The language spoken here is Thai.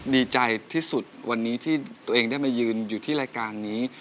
ดีใจที่สุดวันนี้ที่ตัวเองได้มายืนอยู่ที่รายการนี้